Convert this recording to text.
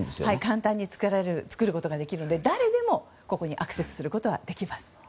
簡単に作ることができるので誰でも簡単にアクセスすることができます。